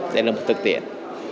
đây là một thực tiện